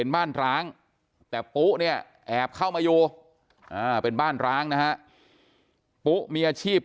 บ้านร้างแต่ปุ๊เนี่ยแอบเข้ามาอยู่เป็นบ้านร้างนะฮะปุ๊มีอาชีพ